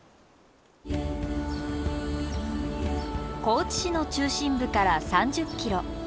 高知市の中心部から３０ｋｍ。